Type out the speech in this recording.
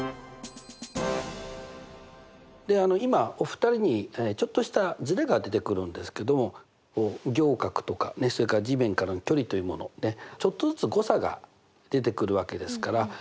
で今お二人にちょっとしたずれが出てくるんですけども仰角とかそれから地面からの距離というものねちょっとずつ誤差が出てくるわけですから。